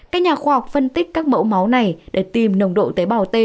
các nhà khoa học phân tích các mẫu máu này để tìm nồng độ tế bào t